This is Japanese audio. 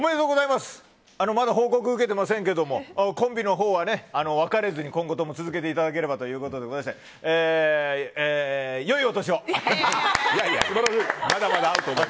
まだ報告受けてませんけどもコンビのほうは別れずに今後とも続けていただければということでございましてよいお年を！